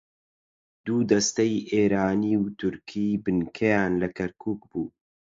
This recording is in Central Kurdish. دوو دەستەی ئێرانی و تورکی بنکەیان لە کەرکووک بوو